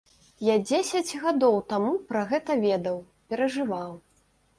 Я дзесяць гадоў таму пра гэта ведаў, перажываў.